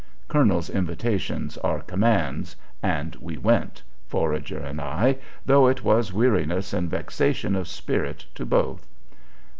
Colonels' invitations are commands, and we went, Forager and I, though it was weariness and vexation of spirit to both.